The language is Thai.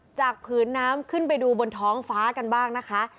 ผืนน้ำขึ้นไปดูบนท้องฟ้ากันบ้างนะคะ